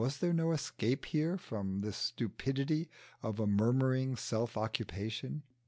Was there no escape here from this stupidity of a murmuring self occupation?